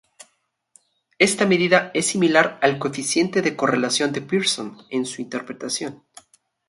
Esta medida es similar al coeficiente de correlación de Pearson en su interpretación.